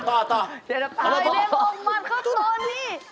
เดี๋ยวนะพร้อมพอไปเล็งออกมัดเข้าตัวนี้